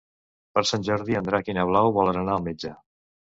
Per Sant Jordi en Drac i na Blau volen anar al metge.